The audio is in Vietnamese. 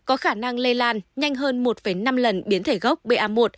có khả năng lây lan nhanh hơn một năm lần biến thể gốc ba